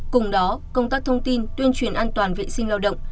cùng đó công tác thông tin tuyên truyền an toàn vệ sinh lao động